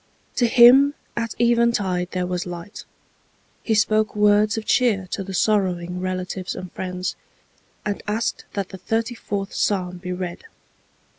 To him at even tide there was light. He spoke words of cheer to the sorrowing relatives and friends, and asked that the thirty fourth psalm be read."